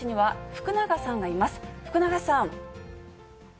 福永さん。